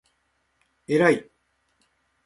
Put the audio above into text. えらい